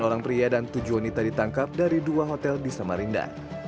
orang pria dan tujuh wanita ditangkap dari dua hotel di samarinda